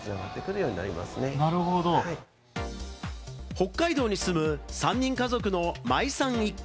北海道に住む３人家族のまいさん一家。